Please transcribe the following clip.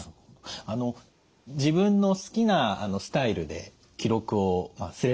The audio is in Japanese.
あの自分の好きなスタイルで記録をすればよいと。